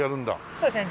そうですね。